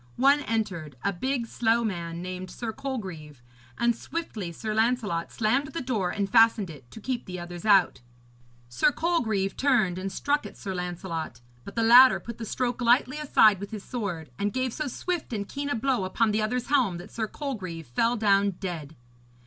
One entered, a big slow man, named Sir Colgreve, and swiftly Sir Lancelot slammed the door and fastened it, to keep the others out. Sir Colgreve turned and struck at Sir Lancelot; but the latter put the stroke lightly aside with his sword, and gave so swift and keen a blow upon the other's helm that Sir Colgreve fell down dead.